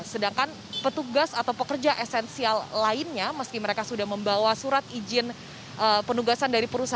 sedangkan petugas atau pekerja esensial lainnya meski mereka sudah membawa surat izin penugasan dari perusahaan